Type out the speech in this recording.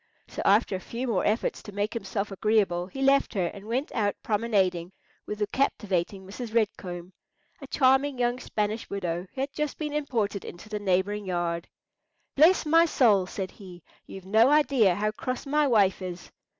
So after a few more efforts to make himself agreeable he left her, and went out promenading with the captivating Mrs. Red Comb, a charming young Spanish widow, who had just been imported into the neighbouring yard. "Bless my soul," said he, "you've no idea how cross my wife is."